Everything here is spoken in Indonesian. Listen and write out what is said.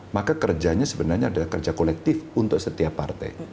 maka kerjanya sebenarnya adalah kerja kolektif untuk setiap partai